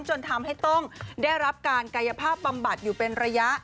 จนทำให้ต้องได้รับการกายภาพบำบัดอยู่เป็นระยะ